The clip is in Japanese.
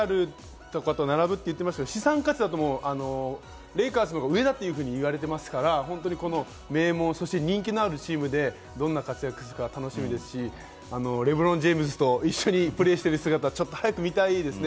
今、レアルとかと並ぶと言ってましたけれども、資産価値だとレイカーズのほうが上だといわれていますから、この名門、人気のあるチームで、どんな活躍をするか楽しみですし、レブロン・ジェームズと一緒にプレーする姿を早く見たいですね。